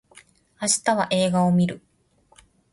明日は映画を見る